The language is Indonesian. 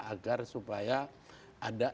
agar supaya ada